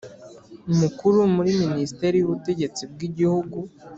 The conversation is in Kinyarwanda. mukuru muri minisiteri y'ubutegetsi bw'igihugu